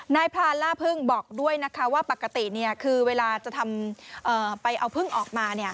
พรานล่าพึ่งบอกด้วยนะคะว่าปกติคือเวลาจะไปเอาพึ่งออกมา